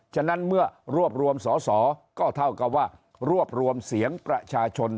ฉะนั้นเมื่อรวบรวมสอสอก็เท่ากับว่ารวบรวมเสียงประชาชน